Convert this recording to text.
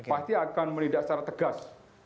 pasti akan menindak secara tegas